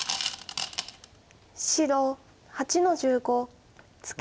白８の十五ツケ。